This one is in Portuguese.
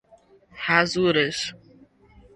rasuras